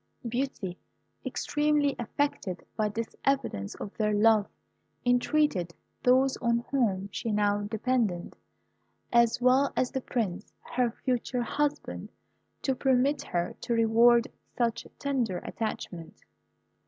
Beauty, extremely affected by this evidence of their love, entreated those on whom she now depended, as well as the Prince, her future husband, to permit her to reward such tender attachment.